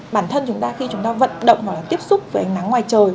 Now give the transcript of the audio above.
bản thân chúng ta khi chúng ta vận động hoặc là tiếp xúc với ánh nắng ngoài trời